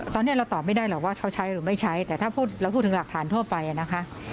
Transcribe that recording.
ตอนนี้เราตอบไม่ได้หรอกว่าเขาใช้หรือไม่ใช้แต่ถ้าเราพูดถึงหลักฐานทั่วไปนะคะ